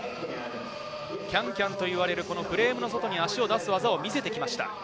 キャンキャンといわれるフレームの外に足を出す技を見せてきました。